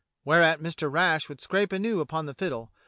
'* Whereat Mr. Rash would scrape anew upon the fiddle.